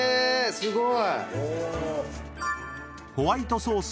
すごい！